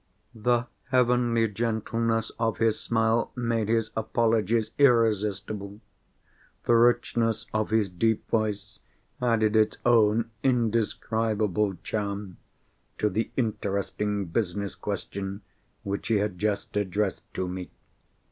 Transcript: The heavenly gentleness of his smile made his apologies irresistible. The richness of his deep voice added its own indescribable charm to the interesting business question which he had just addressed to me.